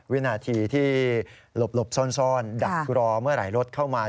วินาทีที่หลบซ่อนดักรอเมื่อไหร่รถเข้ามา